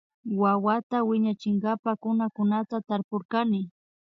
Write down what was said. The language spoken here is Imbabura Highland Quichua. Wawata wiñachinkapa kunakunata tapurkani